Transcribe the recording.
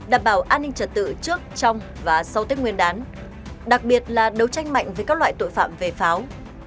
đảm bảo an ninh trật tự trước trong và sau tết nguyên đán đặc biệt là đấu tranh mạnh với các loại tội phạm về pháo